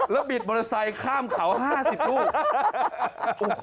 แล้วบิดมอเตอร์ไซค์ข้ามเขา๕๐ลูก